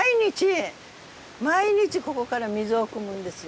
毎日ここから水をくむんですよ。